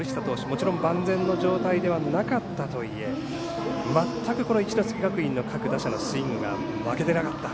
もちろん万全の状態ではなかったとはいえまったく一関学院の各打者のスイングが負けていなかった。